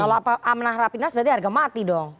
kalau amanah rapimnas berarti harga mati dong